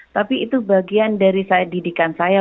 tapi itu bagian dari didikan saya